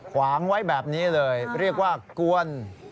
ขวางไว้แบบนี้เลยเรียกว่ากวน